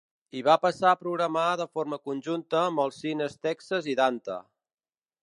I va passar a programar de forma conjunta amb els cines Texas i Dante.